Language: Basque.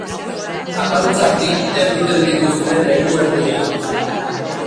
Arrautza bi erruten dituzte negu erdian.